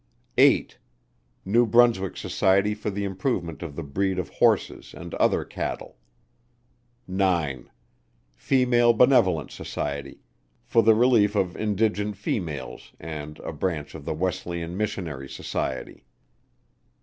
8. New Brunswick Society for the improvement of the breed of Horses and other Cattle. 9. Female Benevolent Society, for the relief of indigent females, and a Branch of the Wesleyan Missionary Society.